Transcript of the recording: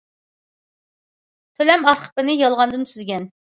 تۆلەم ئارخىپىنى يالغاندىن تۈزگەن.